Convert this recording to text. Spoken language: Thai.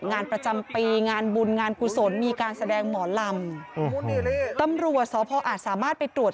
งานประจำปีงานบุญงานกุศลมีการแสดงหมอลำ